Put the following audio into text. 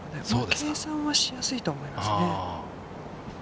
計算はしやすいと思いますね。